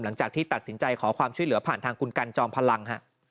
หลังจากที่ตัดสินใจขอความช่วยเหลือผ่านทางคุณกันจอมพลัง